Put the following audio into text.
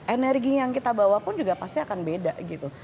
energi yang kita bawa pun juga pasti akan beda gitu